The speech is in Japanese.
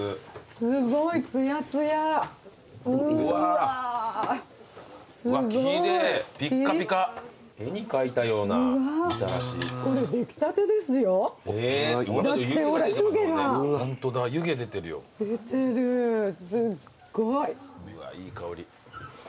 すごい！うわいい香り。